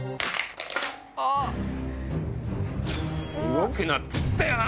動くなっつったよな